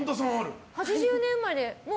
８０年生まれ。